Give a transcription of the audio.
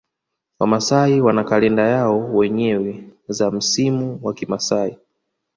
Wamasai wana kalenda yao wenyewe za msimu wa kimasai